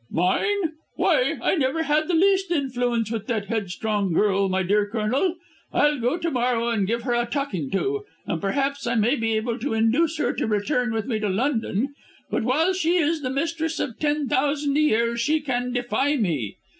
"Mine? Why, I never had the least influence with that headstrong girl, my dear Colonel. I'll go to morrow and give her a talking to, and perhaps I may be able to induce her to return with me to London. But while she is the mistress of ten thousand a year she can defy me.